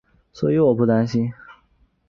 所以我不担心